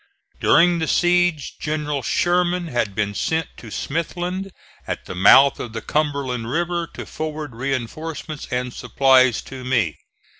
During the siege General Sherman had been sent to Smithland, at the mouth of the Cumberland River, to forward reinforcements and supplies to me.